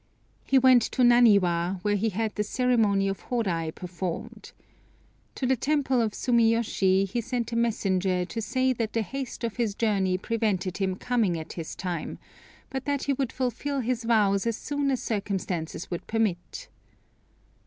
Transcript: He went to Naniwa, where he had the ceremony of Horai performed. To the temple of Sumiyoshi he sent a messenger to say that the haste of his journey prevented him coming at this time, but that he would fulfil his vows as soon as circumstances would permit.